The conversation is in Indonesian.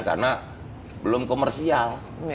karena belum komersial